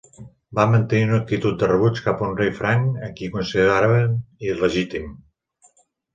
Van mantenir una actitud de rebuig cap a un rei franc a qui consideraven il·legítim.